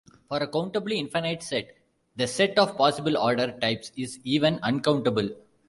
For a countably infinite set, the set of possible order types is even uncountable.